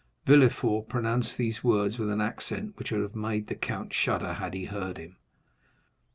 Villefort pronounced these words with an accent which would have made the count shudder had he heard him.